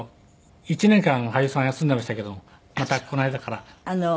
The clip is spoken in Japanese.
１年間俳優さん休んでいましたけどもまたこの間から。